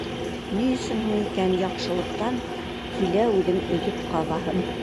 Ни өсөн һуң икән яҡшылыҡтан Килә үҙем өҙөп ҡабаһым.